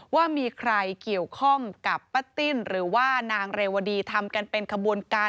ว่ามีใครเกี่ยวข้องกับป้าติ้นหรือว่านางเรวดีทำกันเป็นขบวนการ